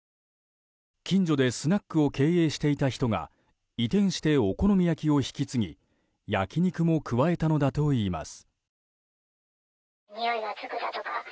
近所でスナックを経営していた人が移転してお好み焼きを引き継ぎ焼き肉も加えたのだといいます。